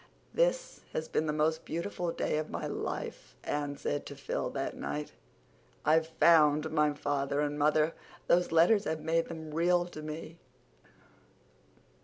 "This has been the most beautiful day of my life," Anne said to Phil that night. "I've FOUND my father and mother. Those letters have made them REAL to me.